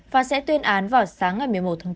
và sẽ tuyên án vào sáng ngày một mươi một tháng bốn